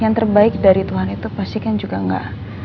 yang terbaik dari tuhan itu pasti kan juga enggak